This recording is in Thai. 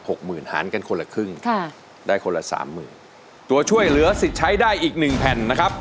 หมื่นหารกันคนละครึ่งค่ะได้คนละสามหมื่นตัวช่วยเหลือสิทธิ์ใช้ได้อีกหนึ่งแผ่นนะครับ